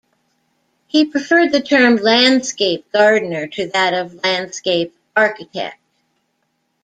He preferred the term 'landscape gardener' to that of 'landscape architect'.